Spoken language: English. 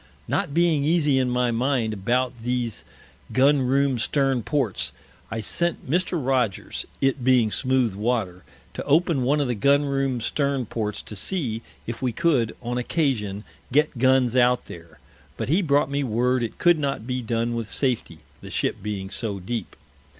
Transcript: Not being easy in my Mind about these Gun room Stern Ports, I sent Mr. Rogers, it being smooth Water, to open one of the Gun room Stern Ports, to see, if we could, on Occasion, get Guns out there, but he brought me Word it could not be done with Safety, the Ship being so deep.